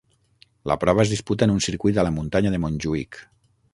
La prova es disputa en un circuit a la muntanya de Montjuïc.